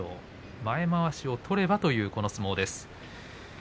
前まわしを取ればという相撲です。